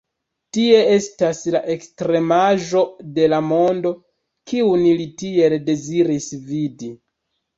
Tie estas la ekstremaĵo de la mondo, kiun li tiel deziris vidi.